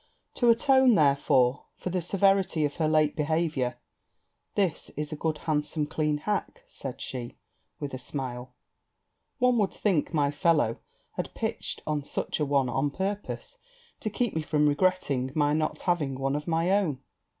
To atone, therefore, for the severity of her late behaviour 'This is a good, handsome, clean hack,' said she with a smile; 'one would think my fellow had pitched on such a one on purpose, to keep me from regretting my not having one of my own.'